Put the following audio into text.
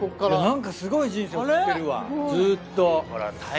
何かすごい人生送ってるわ。